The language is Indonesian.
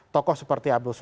tokoh seperti abdul soedari